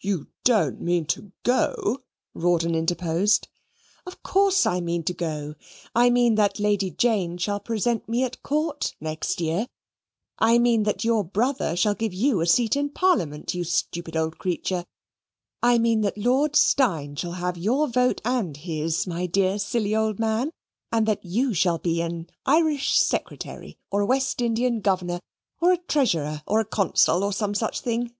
"You don't mean to go?" Rawdon interposed. "Of course I mean to go. I mean that Lady Jane shall present me at Court next year. I mean that your brother shall give you a seat in Parliament, you stupid old creature. I mean that Lord Steyne shall have your vote and his, my dear, old silly man; and that you shall be an Irish Secretary, or a West Indian Governor: or a Treasurer, or a Consul, or some such thing."